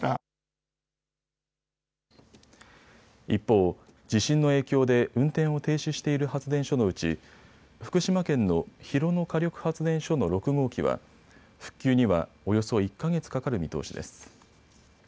一方、地震の影響で運転を停止している発電所のうち福島県の広野火力発電所の６号機は復旧には、およそ１か月かかる見通しです。